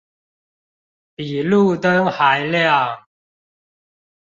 比路燈還亮